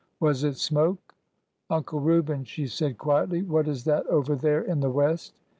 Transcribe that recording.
Was it smoke? Uncle Reuben," she said quietly, what is that over there in the west